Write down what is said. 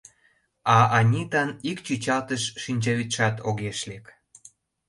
А Анитан ик чӱчалтыш шинчавӱдшат огеш лек.